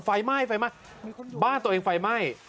ไฟไหม้บ้านตัวเองไฟไหม้